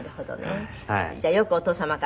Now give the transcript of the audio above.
じゃあよくお父様から秘伝。